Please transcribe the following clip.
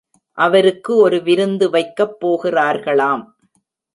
அவருக்கு ஒரு விருந்து வைக்கப் போகிறார்களாம்.